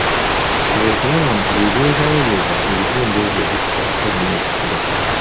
Fuba okulaba nti buli lwoba oyoza ebitundu ebyo obissaako nnyo essira.